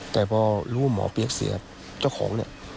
แต่พอรู้ว่าหมอเปี๊ยกเสียเจ้าของเนี่ย